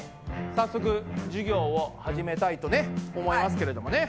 早速授業を始めたいとね思いますけれどもね。